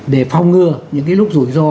để phòng ngừa những cái lúc rủi ro